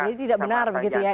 tidak benar begitu ya